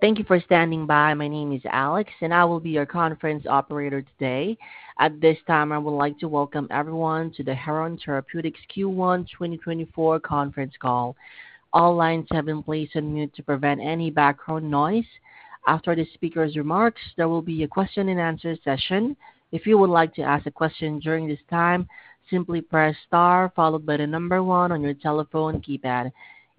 Thank you for standing by. My name is Alex, and I will be your conference operator today. At this time, I would like to welcome everyone to the Heron Therapeutics Q1 2024 Conference Call. All lines have been placed on mute to prevent any background noise. After the speaker's remarks, there will be a question and answer session. If you would like to ask a question during this time, simply press star followed by the number one on your telephone keypad.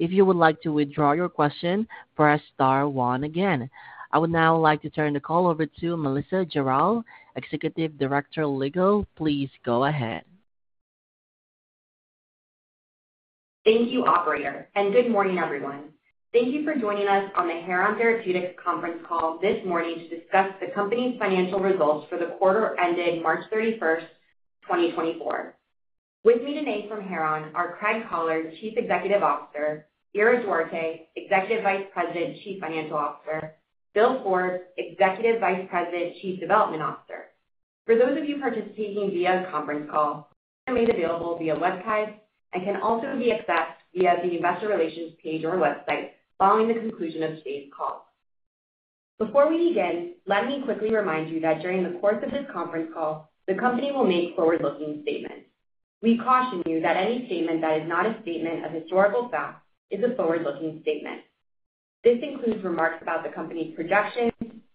If you would like to withdraw your question, press star one again. I would now like to turn the call over to Melissa Jarel, Executive Director, Legal. Please go ahead. Thank you, operator, and good morning, everyone. Thank you for joining us on the Heron Therapeutics conference call this morning to discuss the company's financial results for the quarter ending March 31st, 2024. With me today from Heron are Craig Collard, Chief Executive Officer, Ira Duarte, Executive Vice President, Chief Financial Officer, Bill Forbes, Executive Vice President, Chief Development Officer. For those of you participating via conference call, it's made available via webcast and can also be accessed via the investor relations page on our website following the conclusion of today's call. Before we begin, let me quickly remind you that during the course of this conference call, the company will make forward-looking statements. We caution you that any statement that is not a statement of historical fact is a forward-looking statement. This includes remarks about the company's projections,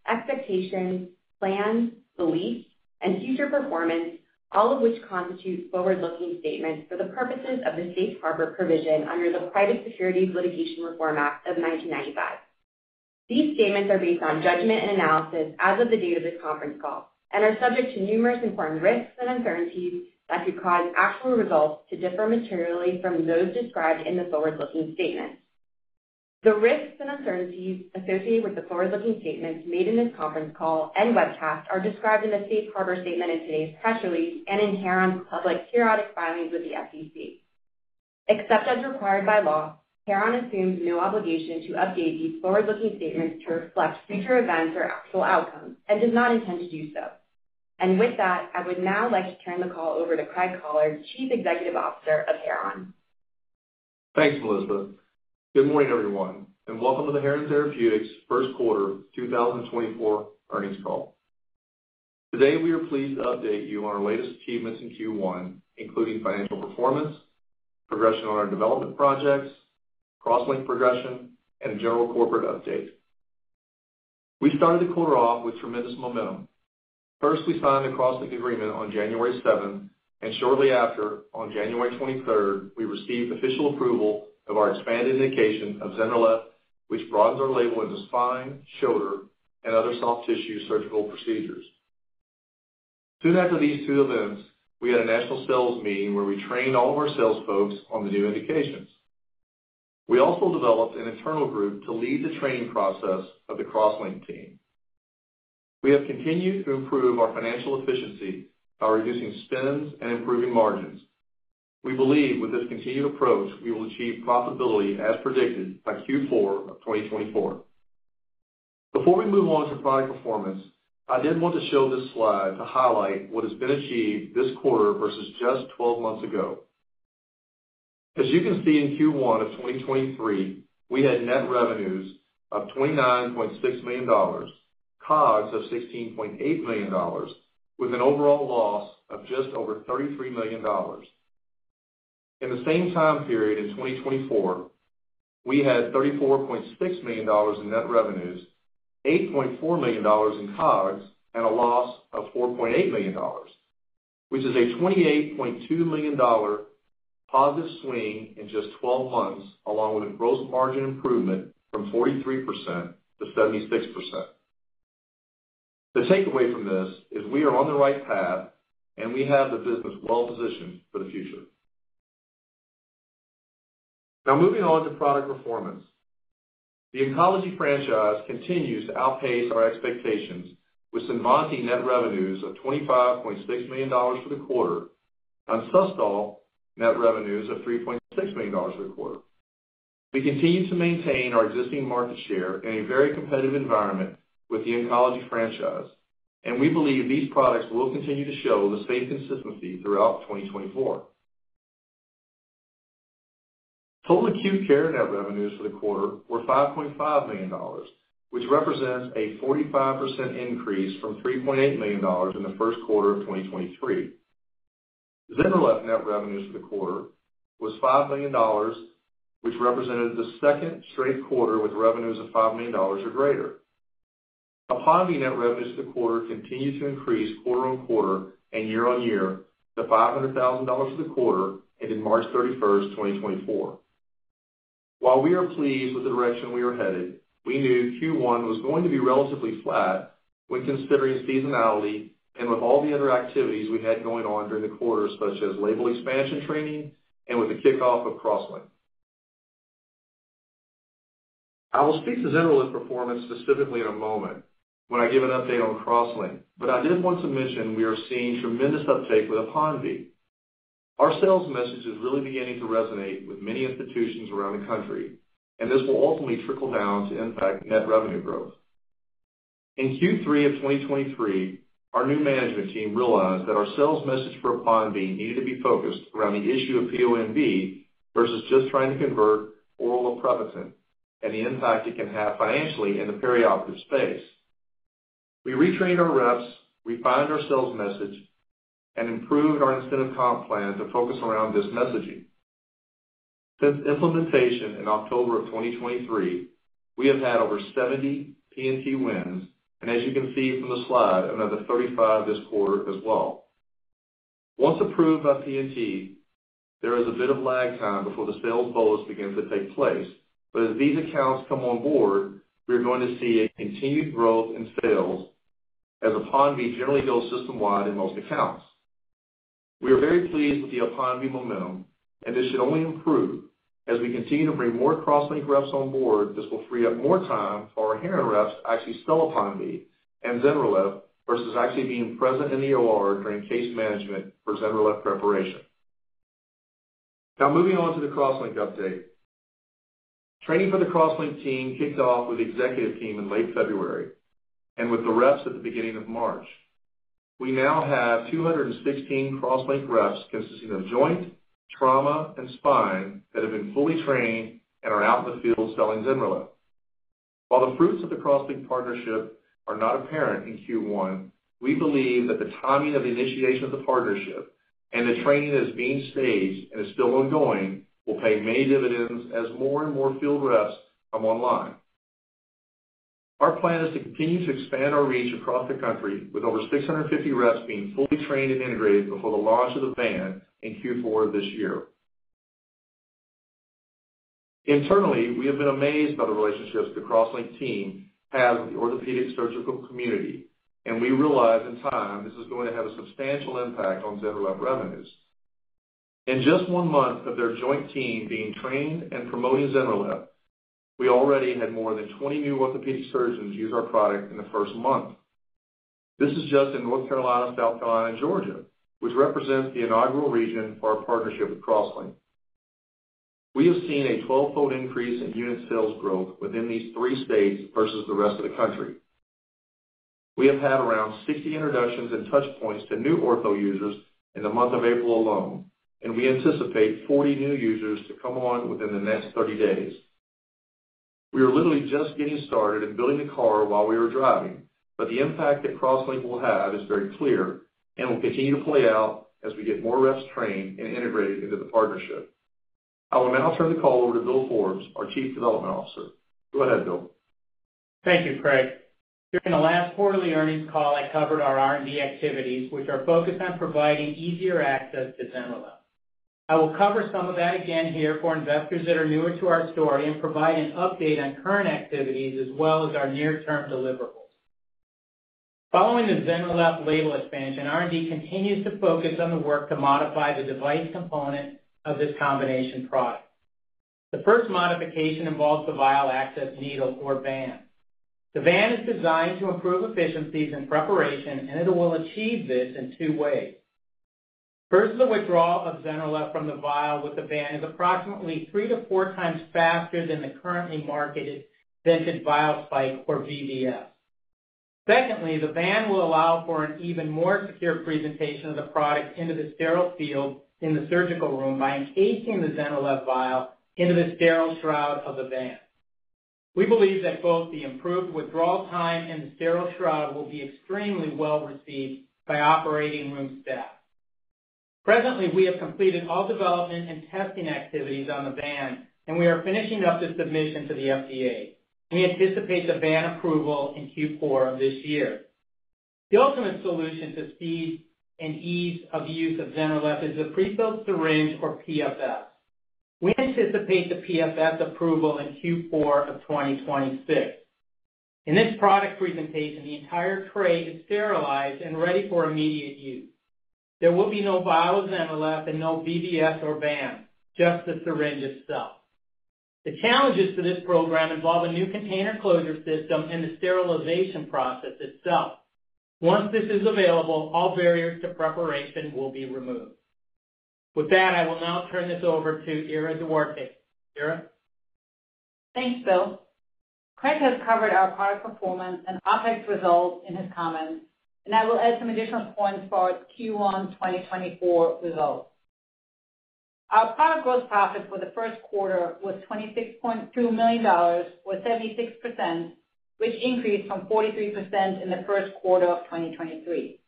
expectations, plans, beliefs, and future performance, all of which constitute forward-looking statements for the purposes of the Safe Harbor provision under the Private Securities Litigation Reform Act of 1995. These statements are based on judgment and analysis as of the date of this conference call and are subject to numerous important risks and uncertainties that could cause actual results to differ materially from those described in the forward-looking statement. The risks and uncertainties associated with the forward-looking statements made in this conference call and webcast are described in the Safe Harbor statement in today's press release and in Heron's public periodic filings with the SEC. Except as required by law, Heron assumes no obligation to update these forward-looking statements to reflect future events or actual outcomes, and does not intend to do so. With that, I would now like to turn the call over to Craig Collard, Chief Executive Officer of Heron. Thanks, Melissa. Good morning, everyone, and welcome to the Heron Therapeutics first quarter 2024 earnings call. Today, we are pleased to update you on our latest achievements in Q1, including financial performance, progression on our development projects, CrossLink progression, and a general corporate update. We started the quarter off with tremendous momentum. First, we signed the CrossLink agreement on January seventh, and shortly after, on January 23rd, we received official approval of our expanded indication of ZYNRELEF, which broadens our label in the spine, shoulder, and other soft tissue surgical procedures. Soon after these two events, we had a national sales meeting where we trained all of our sales folks on the new indications. We also developed an internal group to lead the training process of the CrossLink team. We have continued to improve our financial efficiency by reducing spends and improving margins. We believe with this continued approach, we will achieve profitability as predicted by Q4 of 2024. Before we move on to product performance, I did want to show this slide to highlight what has been achieved this quarter versus just 12 months ago. As you can see, in Q1 of 2023, we had net revenues of $29.6 million, COGS of $16.8 million, with an overall loss of just over $33 million. In the same time period in 2024, we had $34.6 million in net revenues, $8.4 million in COGS, and a loss of $4.8 million, which is a $28.2 million positive swing in just 12 months, along with a gross margin improvement from 43%-76%. The takeaway from this is we are on the right path, and we have the business well positioned for the future. Now, moving on to product performance. The Oncology franchise continues to outpace our expectations, with CINVANTI net revenues of $25.6 million for the quarter, and SUSTOL net revenues of $3.6 million for the quarter. We continue to maintain our existing market share in a very competitive environment with the Oncology franchise, and we believe these products will continue to show the same consistency throughout 2024. Total Acute Care net revenues for the quarter were $5.5 million, which represents a 45% increase from $3.8 million in the first quarter of 2023. ZYNRELEF net revenues for the quarter was $5 million, which represented the second straight quarter with revenues of $5 million or greater. APONVIE net revenues for the quarter continued to increase QoQ and YoY to $500,000 for the quarter ending March 31st, 2024. While we are pleased with the direction we are headed, we knew Q1 was going to be relatively flat when considering seasonality and with all the other activities we had going on during the quarter, such as label expansion training and with the kickoff of CrossLink. I will speak to ZYNRELEF performance specifically in a moment when I give an update on CrossLink, but I did want to mention we are seeing tremendous uptake with APONVIE. Our sales message is really beginning to resonate with many institutions around the country, and this will ultimately trickle down to impact net revenue growth. In Q3 of 2023, our new management team realized that our sales message for APONVIE needed to be focused around the issue of PONV versus just trying to convert oral aprepitant and the impact it can have financially in the perioperative space. We retrained our reps, refined our sales message, and improved our incentive comp plan to focus around this messaging. Since implementation in October of 2023, we have had over 70 P&T wins, and as you can see from the slide, another 35 this quarter as well. Once approved by P&T, there is a bit of lag time before the sales POs begin to take place. But as these accounts come on board, we are going to see a continued growth in sales as APONVIE generally goes system-wide in most accounts. We are very pleased with the APONVIE momentum, and this should only improve. As we continue to bring more CrossLink reps on board, this will free up more time for our Heron reps to actually sell APONVIE and ZYNRELEF versus actually being present in the OR during case management for ZYNRELEF preparation. Now moving on to the CrossLink update. Training for the CrossLink team kicked off with the executive team in late February, and with the reps at the beginning of March. We now have 216 CrossLink reps consisting of joint, trauma, and spine that have been fully trained and are out in the field selling ZYNRELEF. While the fruits of the CrossLink partnership are not apparent in Q1, we believe that the timing of the initiation of the partnership and the training that is being staged and is still ongoing, will pay many dividends as more and more field reps come online. Our plan is to continue to expand our reach across the country, with over 650 reps being fully trained and integrated before the launch of the VAN in Q4 of this year. Internally, we have been amazed by the relationships the CrossLink team have with the orthopedic surgical community, and we realize in time this is going to have a substantial impact on ZYNRELEF revenues. In just one month of their joint team being trained and promoting ZYNRELEF, we already had more than 20 new orthopedic surgeons use our product in the first month. This is just in North Carolina, South Carolina, and Georgia, which represents the inaugural region for our partnership with CrossLink. We have seen a 12-fold increase in unit sales growth within these three states versus the rest of the country. We have had around 60 introductions and touch points to new ortho users in the month of April alone, and we anticipate 40 new users to come on within the next 30 days. We are literally just getting started and building the car while we are driving, but the impact that CrossLink will have is very clear and will continue to play out as we get more reps trained and integrated into the partnership. I will now turn the call over to Bill Forbes, our Chief Development Officer. Go ahead, Bill. Thank you, Craig. During the last quarterly earnings call, I covered our R&D activities, which are focused on providing easier access to ZYNRELEF. I will cover some of that again here for investors that are newer to our story and provide an update on current activities as well as our near-term deliverables. Following the ZYNRELEF label expansion, R&D continues to focus on the work to modify the device component of this combination product. The first modification involves the vial access needle, or VAN. The VAN is designed to improve efficiencies in preparation, and it will achieve this in two ways. First, the withdrawal of ZYNRELEF from the vial with the VAN is approximately 3-4 times faster than the currently marketed vented vial spike or VVS. Secondly, the VAN will allow for an even more secure presentation of the product into the sterile field in the surgical room by encasing the ZYNRELEF vial into the sterile shroud of the VAN. We believe that both the improved withdrawal time and the sterile shroud will be extremely well received by operating room staff. Presently, we have completed all development and testing activities on the VAN, and we are finishing up the submission to the FDA. We anticipate the VAN approval in Q4 of this year. The ultimate solution to speed and ease of use of ZYNRELEF is a prefilled syringe, or PFS. We anticipate the PFS approval in Q4 of 2026. In this product presentation, the entire tray is sterilized and ready for immediate use. There will be no vial of ZYNRELEF and no VVS or VAN, just the syringe itself. The challenges to this program involve a new container closure system and the sterilization process itself. Once this is available, all barriers to preparation will be removed. With that, I will now turn this over to Ira Duarte. Ira? Thanks, Bill. Craig has covered our product performance and OpEx results in his comments, and I will add some additional points for Q1 2024 results. Our product gross profit for the first quarter was $26.2 million, or 76%, which increased from 43% in the first quarter of 2023.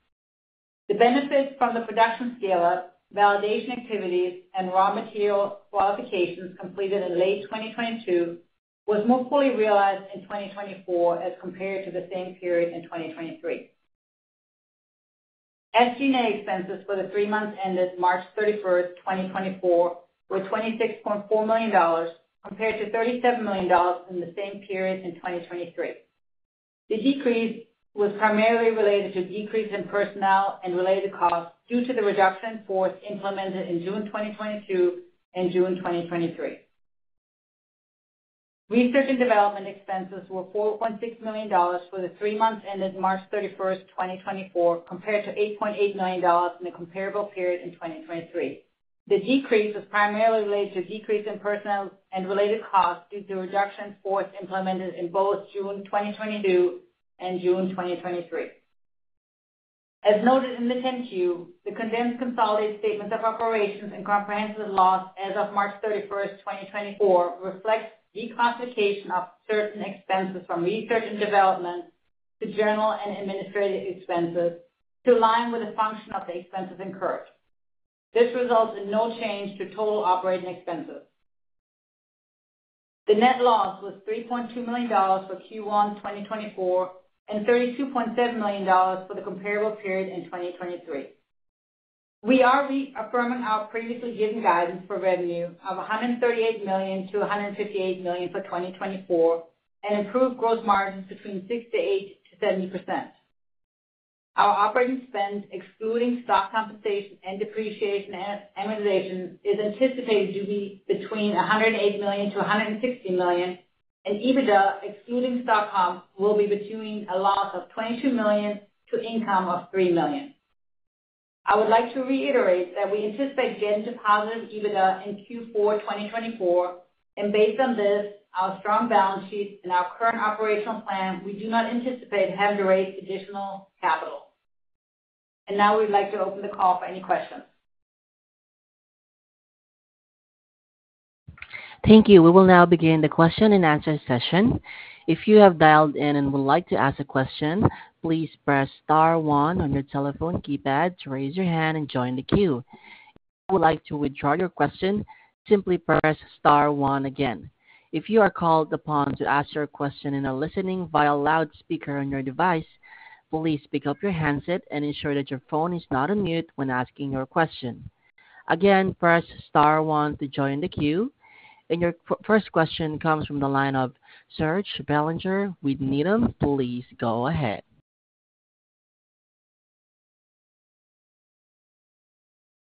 The benefits from the production scale-up, validation activities, and raw material qualifications completed in late 2022 was more fully realized in 2024 as compared to the same period in 2023. SG&A expenses for the three months ended March 31st, 2024, were $26.4 million, compared to $37 million in the same period in 2023. The decrease was primarily related to decrease in personnel and related costs due to the reduction in force implemented in June 2022 and June 2023. Research and development expenses were $4.6 million for the three months ended March 31st, 2024, compared to $8.8 million in the comparable period in 2023. The decrease was primarily related to a decrease in personnel and related costs due to reductions in force implemented in both June 2022 and June 2023. As noted in the 10-Q, the condensed consolidated statements of operations and comprehensive loss as of March 31st, 2024, reflect the reclassification of certain expenses from research and development to general and administrative expenses to align with the function of the expenses incurred. This results in no change to total operating expenses. The net loss was $3.2 million for Q1 2024, and $32.7 million for the comparable period in 2023. We are reaffirming our previously given guidance for revenue of $138 million-$158 million for 2024, and improved gross margins between 68%-70%. Our operating spend, excluding stock compensation and depreciation and amortization, is anticipated to be between $108 million and $116 million, and EBITDA, excluding stock comp, will be between a loss of $22 million to income of $3 million. I would like to reiterate that we anticipate getting to positive EBITDA in Q4 2024, and based on this, our strong balance sheet and our current operational plan, we do not anticipate having to raise additional capital. Now we'd like to open the call for any questions. Thank you. We will now begin the question-and-answer session. If you have dialed in and would like to ask a question, please press star one on your telephone keypad to raise your hand and join the queue. If you would like to withdraw your question, simply press star one again. If you are called upon to ask your question and are listening via loudspeaker on your device, please pick up your handset and ensure that your phone is not on mute when asking your question. Again, press star one to join the queue. Your first question comes from the line of Serge Belanger with Needham. Please go ahead.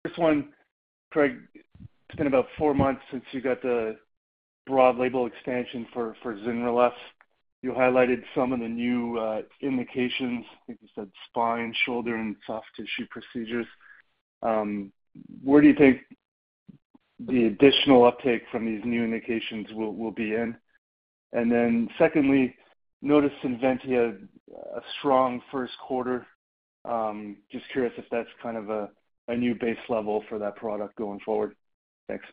This one, Craig, it's been about four months since you got the broad label expansion for ZYNRELEF. You highlighted some of the new indications. I think you said spine, shoulder, and soft tissue procedures. Where do you think the additional uptake from these new indications will be in? And then secondly, noticed CINVANTI had a strong first quarter. Just curious if that's kind of a new base level for that product going forward. Thanks.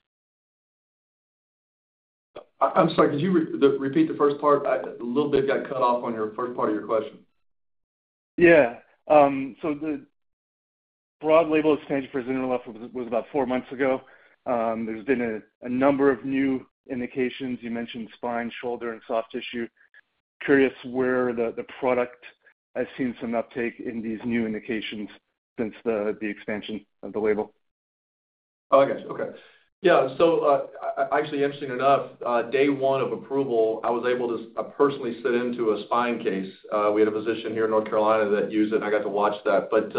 I'm sorry, could you repeat the first part? A little bit got cut off on your first part of your question. Yeah. So the broad label expansion for ZYNRELEF was about four months ago. There's been a number of new indications. You mentioned spine, shoulder, and soft tissue. Curious where the product has seen some uptake in these new indications since the expansion of the label. Okay. Okay. Yeah, so, actually, interestingly enough, day one of approval, I was able to personally sit into a spine case. We had a physician here in North Carolina that used it, and I got to watch that. But,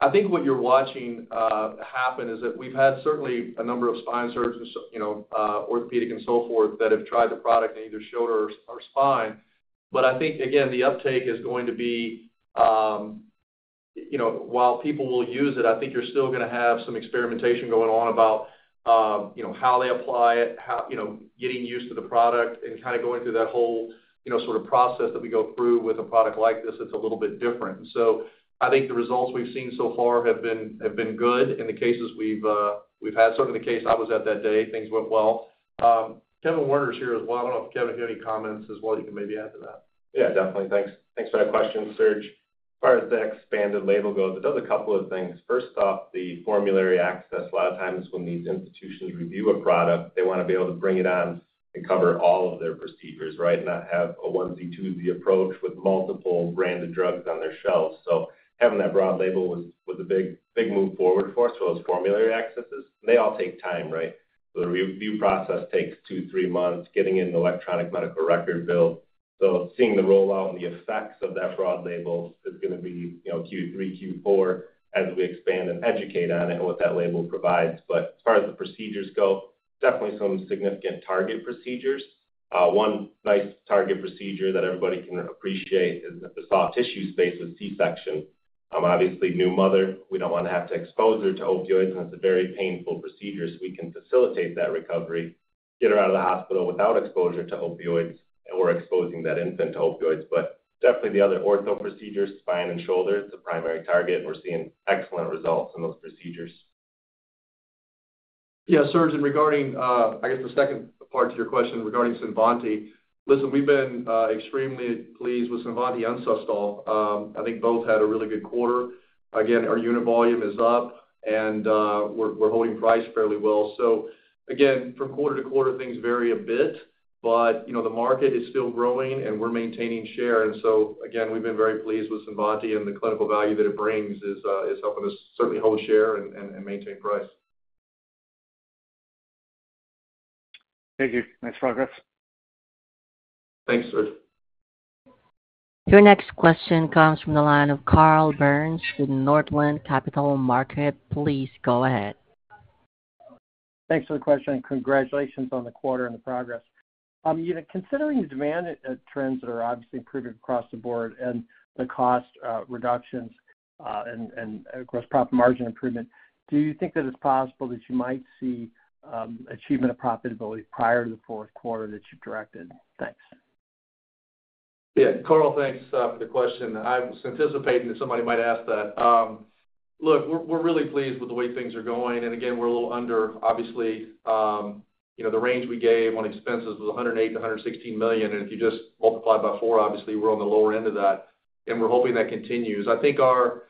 I think what you're watching happen is that we've had certainly a number of spine surgeons, you know, orthopedic and so forth, that have tried the product in either shoulder or, or spine. But I think, again, the uptake is going to be, you know, while people will use it, I think you're still gonna have some experimentation going on about, you know, how they apply it, how... You know, getting used to the product and kind of going through that whole, you know, sort of process that we go through with a product like this, that's a little bit different. So I think the results we've seen so far have been good in the cases we've had. Certainly, the case I was at that day, things went well. Kevin Warner's here as well. I don't know if, Kevin, you have any comments as well, you can maybe add to that. Yeah, definitely. Thanks. Thanks for that question, Serge. As far as the expanded label goes, it does a couple of things. First off, the formulary access. A lot of times when these institutions review a product, they wanna be able to bring it on and cover all of their procedures, right? Not have a onesie-twosie approach with multiple branded drugs on their shelves. So having that broad label was, was a big, big move forward for us. So those formulary accesses, they all take time, right? The re-review process takes two, three months, getting into electronic medical record build. So seeing the rollout and the effects of that broad label is gonna be, you know, Q3, Q4, as we expand and educate on it, what that label provides. But as far as the procedures go, definitely some significant target procedures. One nice target procedure that everybody can appreciate is the soft tissue space with C-section. Obviously, new mother, we don't wanna have to expose her to opioids, and it's a very painful procedure, so we can facilitate that recovery, get her out of the hospital without exposure to opioids, and we're exposing that infant to opioids. But definitely the other ortho procedures, spine and shoulder, is the primary target. We're seeing excellent results in those procedures. Yeah, Serge, and regarding, I guess, the second part to your question regarding CINVANTI. Listen, we've been extremely pleased with CINVANTI and SUSTOL. I think both had a really good quarter. Again, our unit volume is up, and we're holding price fairly well. So again, from quarter to quarter, things vary a bit, but you know, the market is still growing, and we're maintaining share. And so, again, we've been very pleased with CINVANTI, and the clinical value that it brings is helping us certainly hold share and maintain price. Thank you. Nice progress. Thanks, Serge. Your next question comes from the line of Carl Byrnes with Northland Capital Markets. Please go ahead.... Thanks for the question, and congratulations on the quarter and the progress. You know, considering the demand trends that are obviously improving across the board and the cost reductions, and of course, profit margin improvement, do you think that it's possible that you might see achievement of profitability prior to the fourth quarter that you've directed? Thanks. Yeah, Carl, thanks for the question. I was anticipating that somebody might ask that. Look, we're really pleased with the way things are going, and again, we're a little under obviously, you know, the range we gave on expenses was $108 million-$116 million, and if you just multiply by four, obviously, we're on the lower end of that, and we're hoping that continues. I think our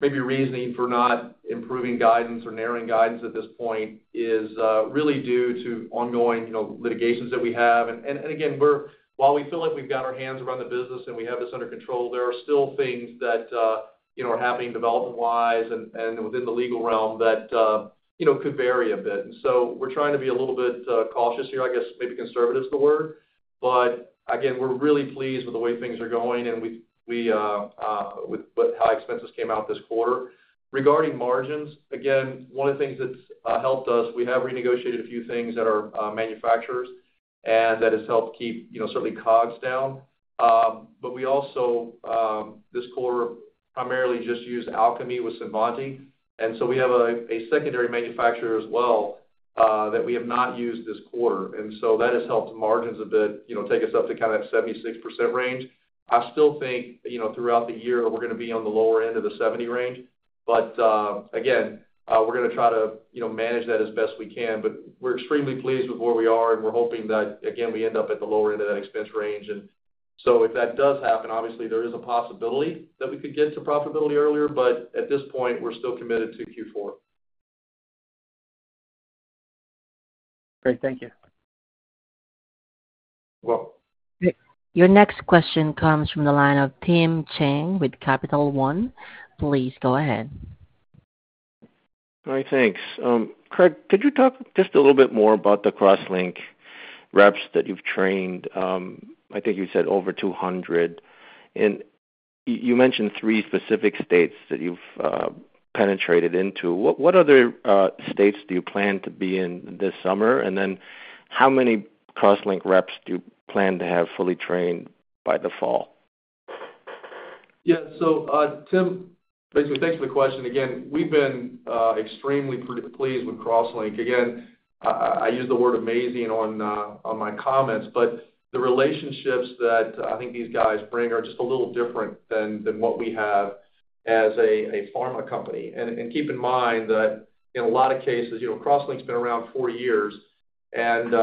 maybe reasoning for not improving guidance or narrowing guidance at this point is really due to ongoing, you know, litigations that we have. And again, we're, while we feel like we've got our hands around the business and we have this under control, there are still things that, you know, are happening development-wise and within the legal realm that, you know, could vary a bit. We're trying to be a little bit cautious here, I guess maybe conservative is the word, but again, we're really pleased with the way things are going and with how expenses came out this quarter. Regarding margins, again, one of the things that's helped us, we have renegotiated a few things with manufacturers and that has helped keep, you know, certainly COGS down. But we also, this quarter, primarily just used Alkermes with ZYNRELEF, and so we have a secondary manufacturer as well that we have not used this quarter, and so that has helped margins a bit, you know, take us up to kind of that 76% range. I still think, you know, throughout the year, we're gonna be on the lower end of the 70 range, but, again, we're gonna try to, you know, manage that as best we can. But we're extremely pleased with where we are, and we're hoping that, again, we end up at the lower end of that expense range. So if that does happen, obviously there is a possibility that we could get to profitability earlier, but at this point, we're still committed to Q4. Great. Thank you. You're welcome. Your next question comes from the line of Tim Chiang with Capital One. Please go ahead. All right. Thanks. Craig, could you talk just a little bit more about the CrossLink reps that you've trained? I think you said over 200, and you mentioned three specific states that you've penetrated into. What other states do you plan to be in this summer? And then how many CrossLink reps do you plan to have fully trained by the fall? Yeah. So, Tim, basically, thanks for the question again. We've been extremely pleased with CrossLink. Again, I use the word amazing on my comments, but the relationships that I think these guys bring are just a little different than what we have as a pharma company. And keep in mind that in a lot of cases, you know, CrossLink's been around four years, and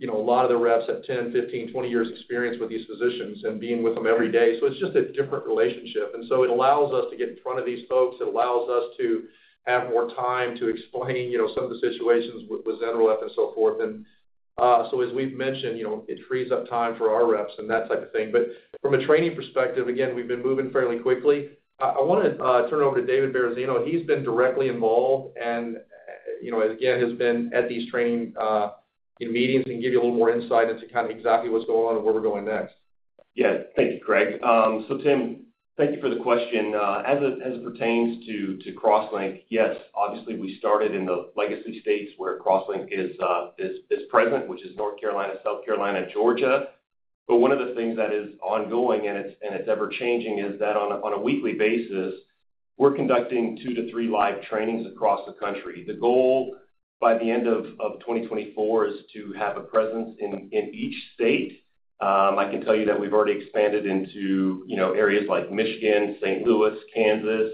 you know, a lot of the reps have 10, 15, 20 years experience with these physicians and being with them every day, so it's just a different relationship. And so it allows us to get in front of these folks. It allows us to have more time to explain, you know, some of the situations with ZYNRELEF and so forth. So as we've mentioned, you know, it frees up time for our reps and that type of thing. But from a training perspective, again, we've been moving fairly quickly. I wanna turn it over to David Barozzino. He's been directly involved and, you know, again, has been at these training meetings and give you a little more insight into kind of exactly what's going on and where we're going next. Yeah. Thank you, Craig. So Tim, thank you for the question. As it pertains to CrossLink, yes, obviously, we started in the legacy states where CrossLink is present, which is North Carolina, South Carolina, and Georgia. But one of the things that is ongoing, and it's ever-changing, is that on a weekly basis, we're conducting 2-3 live trainings across the country. The goal by the end of 2024 is to have a presence in each state. I can tell you that we've already expanded into, you know, areas like Michigan, St. Louis, Kansas,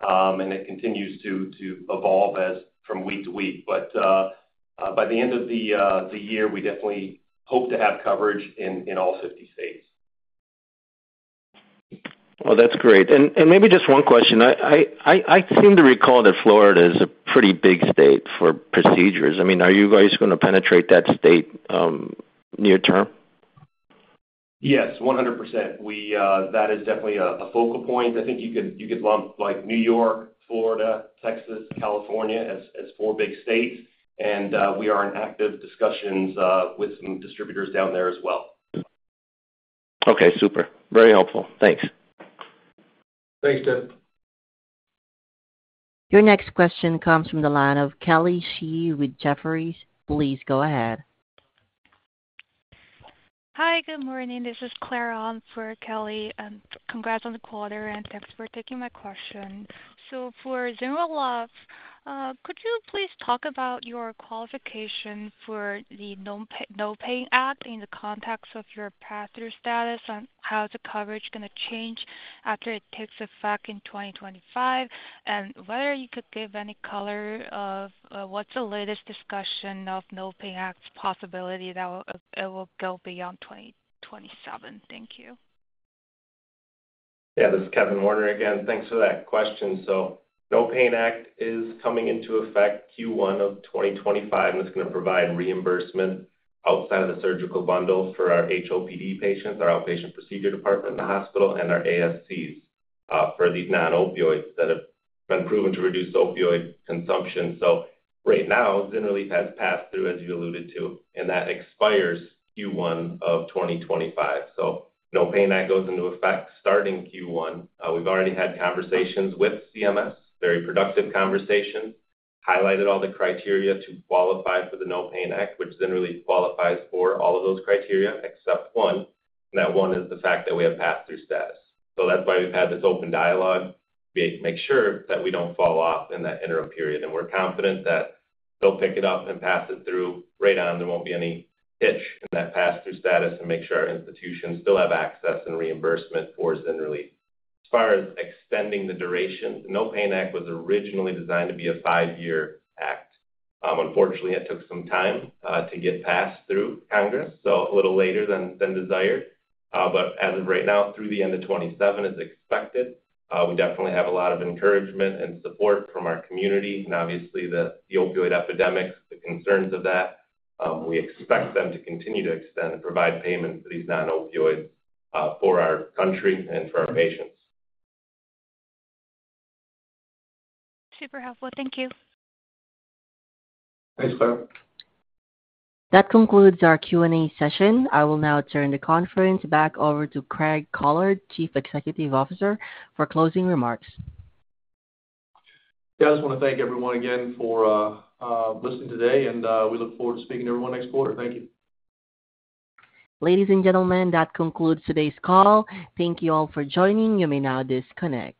and it continues to evolve as from week to week. But by the end of the year, we definitely hope to have coverage in all 50 states. Well, that's great. And, maybe just one question. I seem to recall that Florida is a pretty big state for procedures. I mean, are you guys gonna penetrate that state, near term? Yes, 100%. We. That is definitely a focal point. I think you could lump like New York, Florida, Texas, California as four big states, and we are in active discussions with some distributors down there as well. Okay, super. Very helpful. Thanks. Thanks, Tim. Your next question comes from the line of Kelly Shi with Jefferies. Please go ahead. Hi, good morning. This is Claire on for Kelly, and congrats on the quarter, and thanks for taking my question. So for ZYNRELEF, could you please talk about your qualification for the NOPAIN Act in the context of your pass-through status and how the coverage gonna change after it takes effect in 2025? And whether you could give any color of, what's the latest discussion of NOPAIN Act's possibility that it will go beyond 2027? Thank you. Yeah, this is Kevin Warner again. Thanks for that question. So NOPAIN Act is coming into effect Q1 of 2025, and it's gonna provide reimbursement outside of the surgical bundle for our HOPD patients, our outpatient procedure department in the hospital, and our ASCs for these non-opioids that have been proven to reduce opioid consumption. So right now, ZYNRELEF has passed through, as you alluded to, and that expires Q1 of 2025. So NOPAIN Act goes into effect starting Q1. We've already had conversations with CMS, very productive conversations, highlighted all the criteria to qualify for the NOPAIN Act, which ZYNRELEF qualifies for all of those criteria except one, and that one is the fact that we have pass-through status. So that's why we've had this open dialogue to make sure that we don't fall off in that interim period, and we're confident that they'll pick it up and pass it through right on. There won't be any hitch in that pass-through status and make sure our institutions still have access and reimbursement for ZYNRELEF. As far as extending the duration, the NOPAIN Act was originally designed to be a five-year act. Unfortunately, it took some time to get passed through Congress, so a little later than desired. But as of right now, through the end of 2027 is expected. We definitely have a lot of encouragement and support from our community and obviously the opioid epidemic, the concerns of that. We expect them to continue to extend and provide payment for these non-opioids for our country and for our patients. Super helpful. Thank you. Thanks, Claire. That concludes our Q&A session. I will now turn the conference back over to Craig Collard, Chief Executive Officer, for closing remarks. Yeah, I just want to thank everyone again for listening today, and we look forward to speaking to everyone next quarter. Thank you. Ladies and gentlemen, that concludes today's call. Thank you all for joining. You may now disconnect.